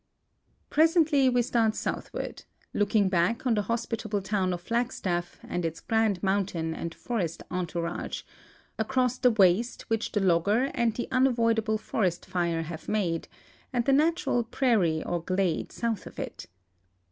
Presently we start southward, looking back on the hospitable town of Flagstaff and its grand mountain and forest entourage, across the waste which the logger and the unavoidable forest fire have made, and the natural prairie or glade south of it.